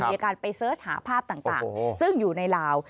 มีการไปเสิร์ชหาภาพต่างซึ่งอยู่ในลาว